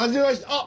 あっ！